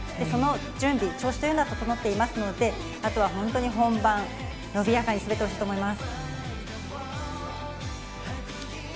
その準備、調子というのは整っていますので、あとは本当に本番、伸びやかに滑ってほしいと思います。